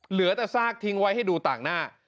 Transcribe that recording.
เหลือแต่ซากทิ้งไว้ให้ดูต่างหน้า